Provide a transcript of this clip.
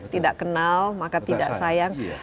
tidak kenal maka tidak sayang